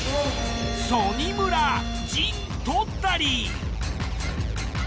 曽爾村陣取ったり。